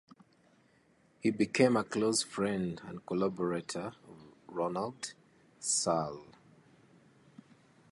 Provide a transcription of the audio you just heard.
He became a close friend and collaborator of Ronald Searle.